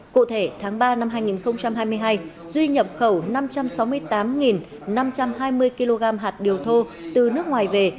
cụ thể tháng ba năm hai nghìn hai mươi hai duy nhập khẩu năm trăm sáu mươi tám năm trăm hai mươi kg hạt điều thô từ nước ngoài về